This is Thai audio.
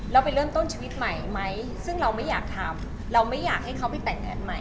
เราไปเริ่มต้นชีวิตใหม่ไหมซึ่งเราไม่อยากทำเราไม่อยากให้เขาไปแต่งแผนใหม่